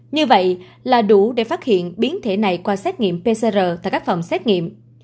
như vậy là đủ để phát hiện biến thể này qua xét nghiệm pcr tại các phòng xét nghiệm